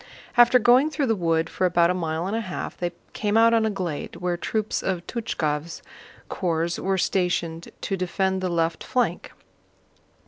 After going through the wood for about a mile and a half they came out on a glade where troops of Túchkov's corps were stationed to defend the left flank.